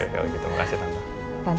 oke makasih tante